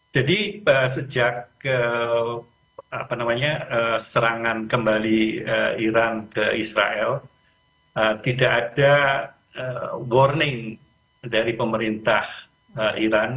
jadi sejak serangan kembali iran ke israel tidak ada warning dari pemerintah iran